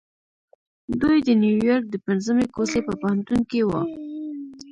دوی د نيويارک د پنځمې کوڅې په پوهنتون کې وو.